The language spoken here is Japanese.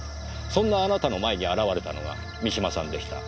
そんなあなたの前に現れたのが三島さんでした。